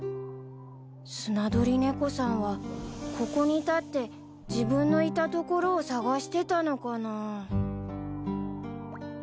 スナドリネコさんはここに立って自分のいたところを探してたのかなぁ。